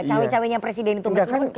cawi cawinya presiden itu